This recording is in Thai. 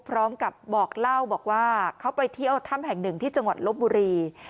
พร้อมกับบอกเล่าบอกว่าเขาไปเที่ยวถ้ำแห่งหนึ่งที่จังหวัดลบบุรี